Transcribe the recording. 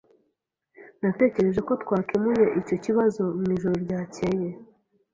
Natekereje ko twakemuye icyo kibazo mwijoro ryakeye.